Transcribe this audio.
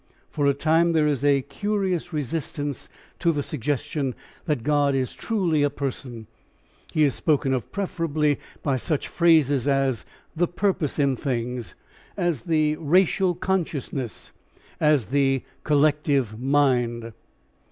For a time there is a curious resistance to the suggestion that God is truly a person; he is spoken of preferably by such phrases as the Purpose in Things, as the Racial Consciousness, as the Collective Mind.